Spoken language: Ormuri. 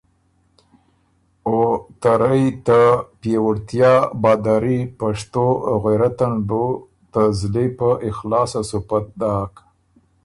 او ته رئ ته پئےوُړتیا، بهادري، پشتو او غېرت ان بُو ته زلی په اخلاصه سُوپت داک۔